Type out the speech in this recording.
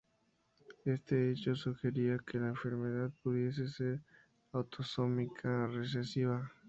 Este hecho sugería que la enfermedad pudiese ser autosómica recesiva.